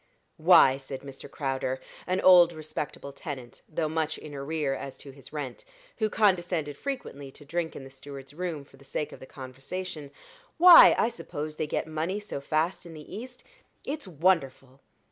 "Why," said Mr. Crowder, an old respectable tenant, though much in arrear as to his rent, who condescended frequently to drink in the steward's room for the sake of the conversation; "why, I suppose they get money so fast in the East it's wonderful.